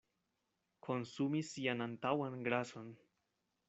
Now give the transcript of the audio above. Konsumi sian antaŭan grason.